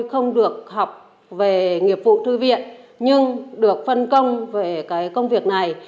học về nghiệp vụ thư viện nhưng được phân công về cái công việc này